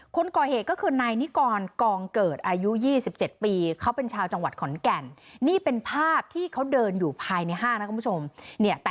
คนก่อเหตุก็คือนายนิกอร์นกองเกิดอายุยี่สิบเจ็ดปี